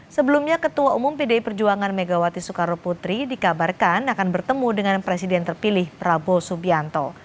sebelumnya ketua umum pdi perjuangan megawati soekarno putri dikabarkan akan bertemu dengan presiden terpilih prabowo subianto